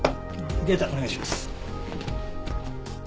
データお願いします。